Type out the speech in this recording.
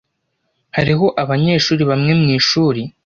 Hariho abanyeshuri bamwe mwishuri.